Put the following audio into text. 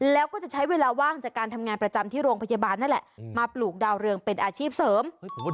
แล้วก็จะใช้เวลาว่างจากการทำงานประจำที่โรงพยาบาลนั่นแหละมาปลูกดาวเรืองเป็นอาชีพเสริม